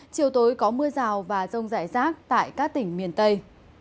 chiều tối có mưa rào và rông rải rác tại các tỉnh miền tây